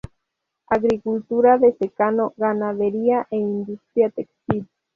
Agricultura de secano, ganadería e industria textil.